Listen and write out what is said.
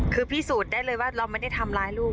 คือพิสูจน์ได้เลยว่าเราไม่ได้ทำร้ายลูก